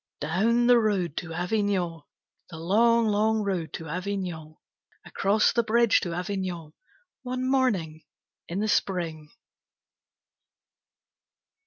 Down the road to Avignon, The long, long road to Avignon, Across the bridge to Avignon, One morning in the spring.